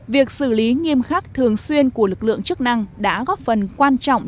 việc xử lý nghiêm khắc thường xuyên của lực lượng chức năng đã góp phần quan trọng